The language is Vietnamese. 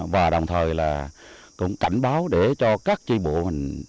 và đồng thời là cũng cảnh báo để cho các chi bộ mình